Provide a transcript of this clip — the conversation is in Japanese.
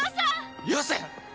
よせ！